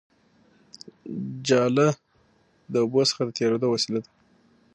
جاله د اوبو څخه د تېرېدو وسیله ده